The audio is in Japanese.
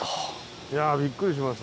いやびっくりしました。